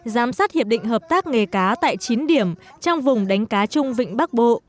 giám sát hiệp định hợp tác nghề cá tại chín điểm trong vùng đánh cá chung vịnh bắc bộ